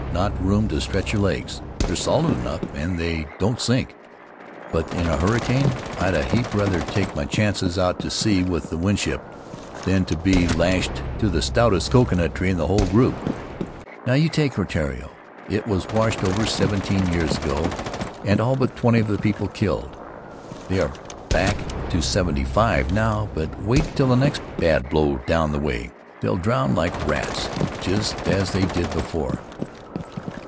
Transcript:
Not room to stretch your legs. They're solid enough, and they [mi Faerv Lands of the South Seas don't sink: but in a hurricane Fd a heap rather take my chances out to sea with the Winskip than to be lashed to the stoutest coconut tree in the whole group. Now you take Rutiaro, It was washed over seventeen • ars ago and all but twenty of the people killed. They are back to seventy five now, but wait till the next bad blow down that way. They'll drown like rats just as they did before.